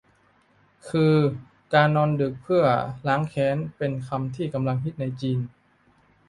คือ "การนอนดึกเพื่อล้างแค้น" เป็นคำที่กำลังฮิตในจีน